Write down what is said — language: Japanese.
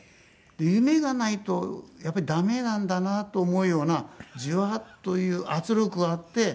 夢がないとやっぱり駄目なんだなと思うようなジワッという圧力があって。